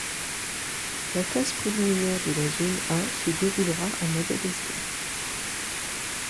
La phase préliminaire de la Zone A se déroulera à Madagascar.